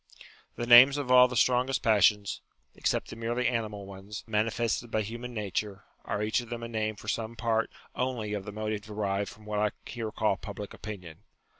The names of all the strongest passions (except the merely animal ones) manifested by human nature, are each of them a name for some one part only of the motive derived from what I here call public opinion.